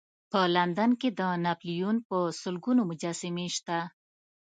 په لندن کې د ناپلیون په سلګونو مجسمې شته.